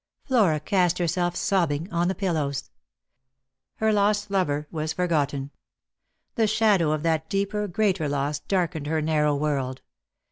Flora cast herself, sobbing, on the pillows. Her lost lover was forgotten ; the shadow of that deeper, greater loss darkened her narrow world.